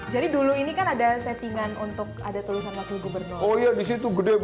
jadi dulu ini kan ada settingan untuk ada tulisan wakil gubernur